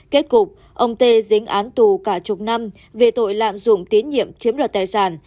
kết cục ông tê dính án tù cả chục năm về tội lạm dụng tín nhiệm chiếm đoạt tài sản